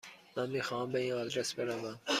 من میخواهم به این آدرس بروم.